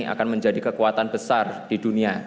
akan menjadi kekuatan besar di dunia